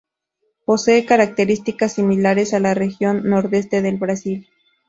Posee características similares a la Región Nordeste del Brasil.